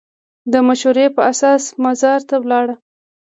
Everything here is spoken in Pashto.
د مشورې په اساس مزار ته ولاړ.